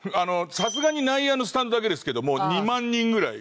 さすがに内野のスタンドだけですけどもう２万人ぐらい。